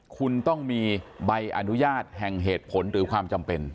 คุณต้องมีใบอนุญาตแห่งเหตุผลหรือความจำเป็น